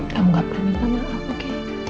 kamu gak pernah minta maaf oke